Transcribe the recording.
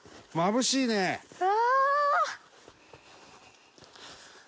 うわ！